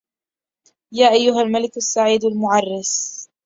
يا أيها الملك السعيد المعرس